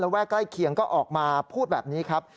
ใกล้เคียงก็ออกมาพูดแบบนี้ครับ